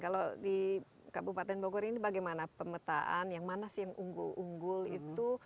kalau di kabupaten bogor ini bagaimana pemetaan yang mana sih yang unggul unggul itu